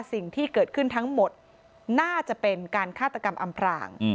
สิ่งที่เกิดขึ้นทั้งหมดน่าจะเป็นการฆาตกรรมอำพราง